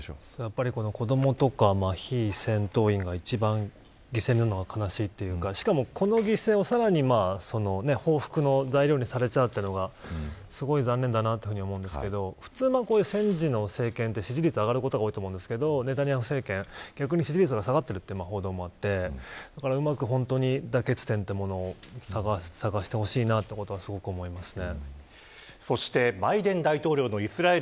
子どもとか非戦闘員が一番犠牲になるのは悲しいというかしかもこの犠牲をさらに報復の材料にされちゃうというのがすごい残念だなと思うんですけど普通は戦時の政権って支持率が上がることが多いと思うんですけどネタニヤフ政権逆に下がっていたこともあってうまく妥結点というものを探してほしいということはすごく思いますね。